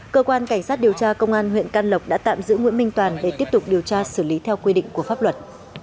cơ quan cảnh sát điều tra công an huyện can lộc đã tạm giữ nguyễn minh toàn để tiếp tục điều tra xử lý theo quy định của pháp luật